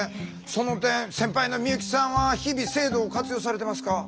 その点先輩の美由紀さんは日々制度を活用されてますか？